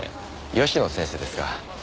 吉野先生ですか。